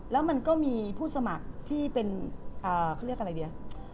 แล้วมันก็มีผู้สมัครที่เป็นเขาเรียกอะไรดี